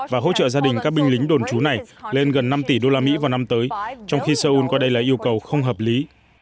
và hỗ trợ gia đình các binh lính đồn trú này lên gần năm tỷ đô la mỹ vào năm tới trong khi seoul coi đây là yêu cầu không hợp lý